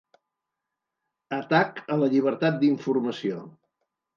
Atac a la llibertat d’informació